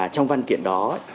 trong văn kiện đó